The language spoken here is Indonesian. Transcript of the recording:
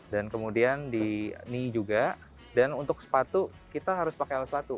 dan kemudian di knee juga dan untuk sepatu kita harus pakai alat satu